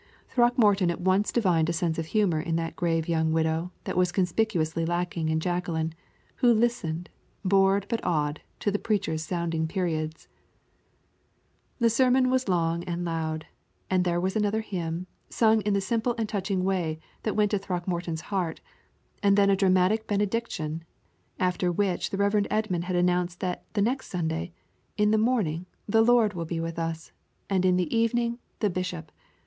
Throckmorton at once divined a sense of humor in that grave young widow that was conspicuously lacking in Jacqueline, who listened, bored but awed, to the preacher's sounding periods. The sermon was long and loud, and there was another hymn, sung in the simple and touching way that went to Throckmorton's heart, and then a dramatic benediction, after the Rev. Edmund had announced that the next Sunday, "in the morning, the Lord will be with us, and in the evening the bishop.